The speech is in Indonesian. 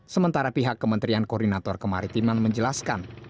sementara pihak kementerian koordinator kemaritiman menjelaskan